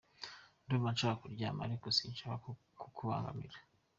Ndumva nshaka kuryama ariko sinshaka kukubangamira.